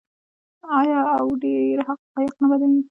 آیا او ډیر حقایق نه بیانوي؟